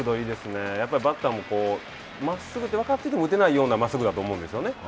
やっぱりバッターもまっすぐって分かってても打てない真っすぐだと思うんですよね。